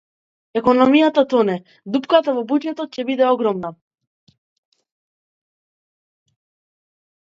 Економијата тоне, дупката во буџетот ќе биде огромна